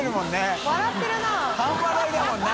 半笑いだもんな。